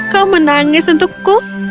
kau menangis untukku